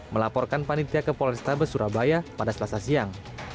melaporkan panitia ke polrestabes surabaya pada selasa siang